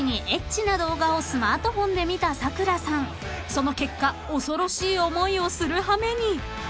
［その結果恐ろしい思いをする羽目に］